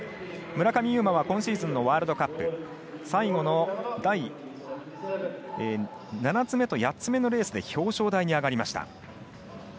村上右磨は今シーズンのワールドカップ最後の７つ目と８つ目のレースで表彰台に上がりました。